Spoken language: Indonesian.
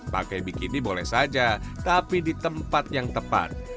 pakai bikini boleh saja tapi di tempat yang tepat